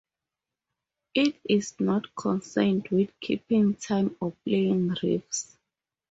It is not concerned with keeping time or playing riffs.